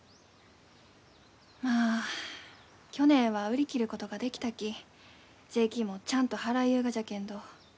まあ去年は売り切ることができたき税金もちゃんと払いゆうがじゃけんど。